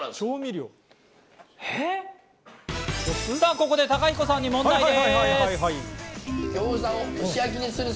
ここで貴彦さんに問題です。